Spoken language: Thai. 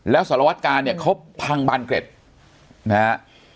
แล้วสารวัตกาลเนี่ยเขาพังบานเกร็ดนะฮะ